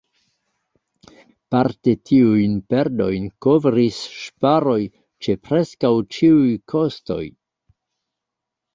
Parte tiujn perdojn kovris ŝparoj ĉe preskaŭ ĉiuj kostoj.